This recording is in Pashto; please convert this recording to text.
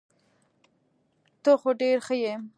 ته خو ډير ښه يي .